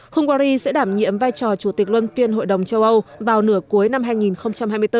hungary sẽ đảm nhiệm vai trò chủ tịch luân phiên hội đồng châu âu vào nửa cuối năm hai nghìn hai mươi bốn